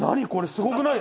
すごくない？